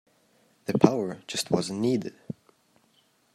The power just wasn't needed.